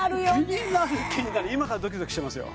気になる気になる今からドキドキしてますよ